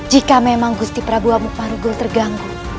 jika memang gusti prabu amuk marugul terganggu